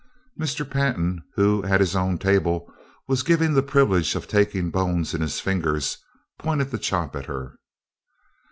Mr. Pantin, who at his own table was given the privilege of taking bones in his fingers, pointed the chop at her.